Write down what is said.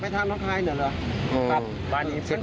ไปทางน้องคลายนี่เหรอ